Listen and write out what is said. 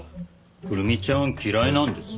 くるみちゃん嫌いなんです。